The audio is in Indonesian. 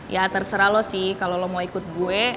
ya terserah lo sih kalau lo mau ikut gue